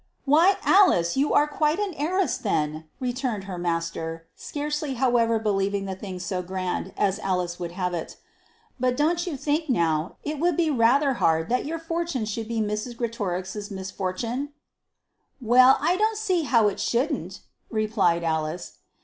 "Why, Alice, you are quite an heiress, then!" returned her master, scarcely however believing the thing so grand as Alice would have it. "But don't you think now it would be rather hard that your fortune should be Mrs. Greatorex's misfortune?" "Well, I don't see as how it shouldn't," replied Alice.